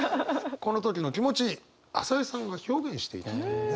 この時の気持ち朝井さんが表現していたというね。